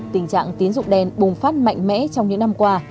tình trạng tín dụng đen bùng phát mạnh mẽ trong những năm qua